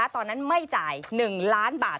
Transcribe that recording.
ตอนนั้นไม่จ่าย๑ล้านบาท